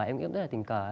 em nghĩ cũng rất là tình cờ